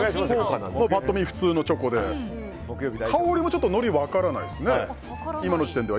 パッと見、普通のチョコで香りもちょっとのり分からないですね